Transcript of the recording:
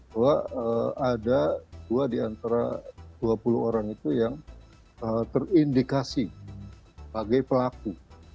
bahwa ada dua di antara dua puluh orang itu yang terindikasi sebagai pelaku